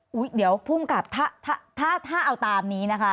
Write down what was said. หวิวเดี๋ยวีวผู้กราบถ้าเอาตามนี้นะคะ